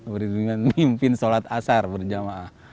berhubungan mimpin solat azar berjamaah